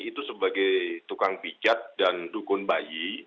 itu sebagai tukang pijat dan dukun bayi